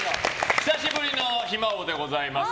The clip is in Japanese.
久しぶりの暇王でございます。